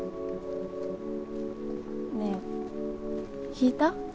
ねえ引いた？